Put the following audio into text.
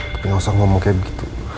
tapi gak usah ngomong kayak begitu